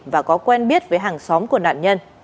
và có quen biết với hàng xóm của nạn nhân